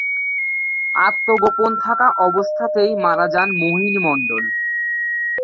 আত্মগোপন থাকা অবস্থাতেই মারা যান মোহিনী মন্ডল।